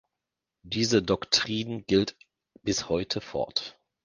Diese Doktrin gilt bis heute fort.